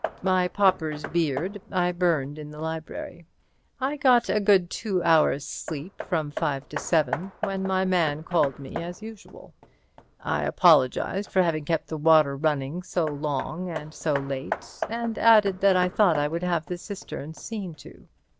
My pauper's beard I burned in the library. I got a good two hours' sleep from five to seven, when my man called me as usual. I apologized for having kept the water running so long and so late, and added that I thought I would have the cistern seen to.